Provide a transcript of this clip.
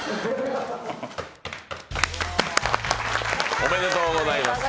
おめでとうございます。